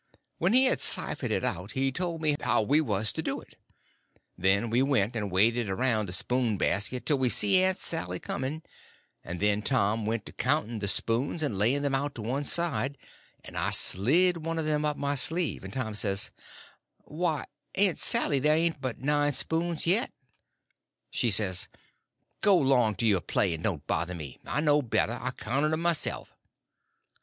When he had ciphered it out he told me how we was to do; then we went and waited around the spoon basket till we see Aunt Sally coming, and then Tom went to counting the spoons and laying them out to one side, and I slid one of them up my sleeve, and Tom says: "Why, Aunt Sally, there ain't but nine spoons yet." She says: "Go 'long to your play, and don't bother me. I know better, I counted 'm myself."